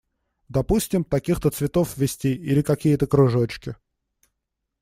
Допустим, таких-то цветов ввести, или какие-то кружочки.